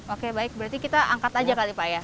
oke baik berarti kita angkat aja kali pak ya